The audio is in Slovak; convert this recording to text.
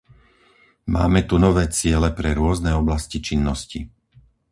Máme tu nové ciele pre rôzne oblasti činnosti.